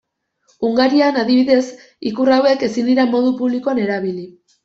Hungarian, adibidez, ikur hauek ezin dira modu publikoan erabili.